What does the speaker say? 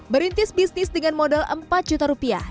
merintis bisnis dengan modal empat juta rupiah